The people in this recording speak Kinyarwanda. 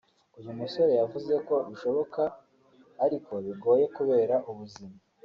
uyu musore yavuze ko bishoboka ariko bigoye kubera ubuzima